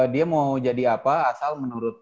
dia mau jadi apa asal menurut